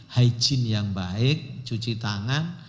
hijin yang baik cuci tangan